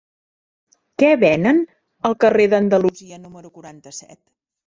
Què venen al carrer d'Andalusia número quaranta-set?